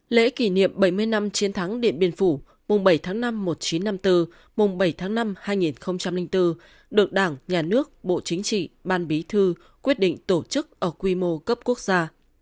lễ kỷ niệm bảy mươi năm chiến thắng điện biên phủ mùng bảy tháng năm một nghìn chín trăm năm mươi bốn mùng bảy tháng năm hai nghìn bốn được đảng nhà nước bộ chính trị ban bí thư quyết định tổ chức ở quy mô cấp quốc gia